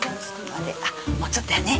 もうちょっとやね。